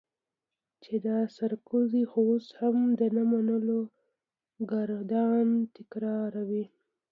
چې دا سرکوزی خو اوس هم د نه منلو ګردان تکراروي.